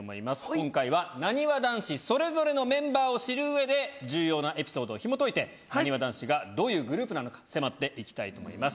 今回はなにわ男子それぞれのメンバーを知るうえで重要なエピソードをひもといてなにわ男子がどういうグループなのか迫っていきたいと思います！